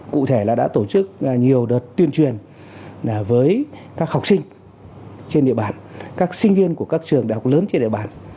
cụ thể là đã tổ chức nhiều đợt tuyên truyền với các học sinh trên địa bàn các sinh viên của các trường đại học lớn trên địa bàn